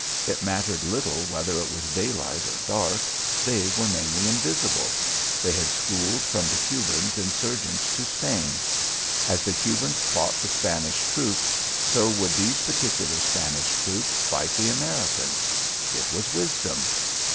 It mattered little whether it was daylight or dark; they were mainly invisible. They had schooled from the Cubans insurgent to Spain. As the Cubans fought the Spanish troops, so would these particular Spanish troops fight the Americans. It was wisdom.